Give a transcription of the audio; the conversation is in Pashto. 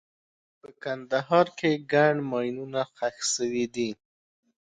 په کندهار کې ګڼ ماینونه ښخ شوي دي.